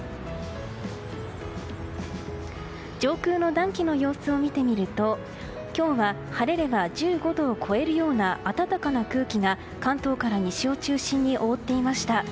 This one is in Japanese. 上空の暖気の様子を見てみると今日は晴れれば１５度を超えるような暖かな空気が関東から西を中心に覆っていました。